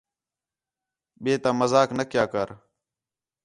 ٻئے تامذاق نہ کَیا کر